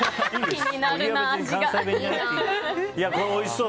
気になるな、味。